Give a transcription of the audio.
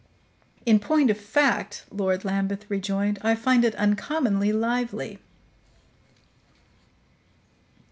"In point of fact," Lord Lambeth rejoined, "I find it uncommonly lively."